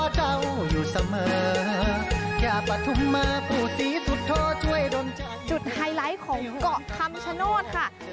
จุดไฮไลท์ของเกาะคำชะโน้นค่ะ